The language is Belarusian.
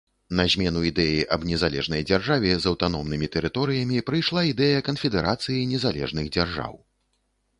На змену ідэі аб незалежнай дзяржаве з аўтаномнымі тэрыторыямі прыйшла ідэя канфедэрацыі незалежных дзяржаў.